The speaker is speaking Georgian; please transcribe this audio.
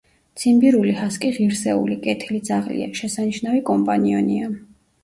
ციმბირული ჰასკი ღირსეული, კეთილი ძაღლია, შესანიშნავი კომპანიონია.